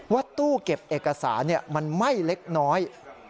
ว่าตู้เก็บเอกสารมันไหม้เล็กน้อย